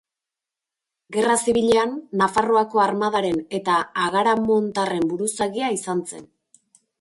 Gerra Zibilean Nafarroako armadaren eta agaramontarren buruzagia izan zen.